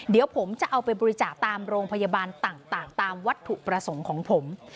เดี๋ยวผมจะเอาไปบริจาคตามโรงพยาบาลต่างตามวัตถุประสงค์ของผม